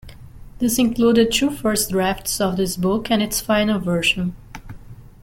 This included two first drafts of this book and its final version.